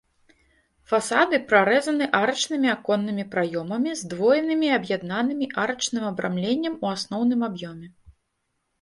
Фасады прарэзаны арачнымі аконнымі праёмамі, здвоенымі і аб'яднанымі арачным абрамленнем у асноўным аб'ёме.